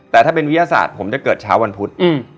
แต่ถ้าเป็นวิทยาศาสตร์ผมจะเกิดเช้าวันพุธ